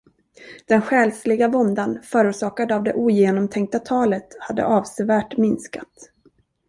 Den själsliga våndan förorsakad av det ogenomtänkta talet hade avsevärt minskat.